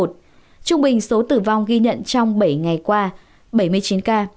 trung bình số tử vong ghi nhận trong bảy ngày qua bảy mươi chín ca